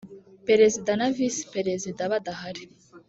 Perezida na Visi Perezida badahari